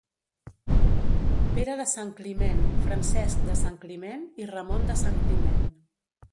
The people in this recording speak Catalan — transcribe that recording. Pere de Santcliment, Francesc de Santcliment i Ramon de Santcliment.